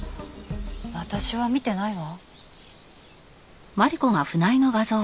私は見てないわ。